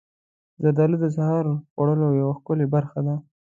زردالو د سحر خوړو یوه ښکلې برخه ده.